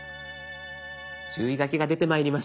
注意書きが出てまいりました。